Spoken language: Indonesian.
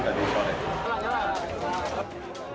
tidak ada yang bisa ditemukan